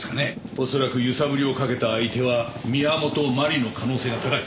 おそらく揺さぶりをかけた相手は宮本真理の可能性が高い。